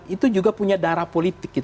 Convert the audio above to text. itu juga punya darah politik